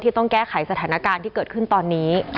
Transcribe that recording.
ต้องแก้ไขสถานการณ์ที่เกิดขึ้นตอนนี้